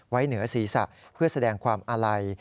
เหนือศีรษะเพื่อแสดงความอาลัย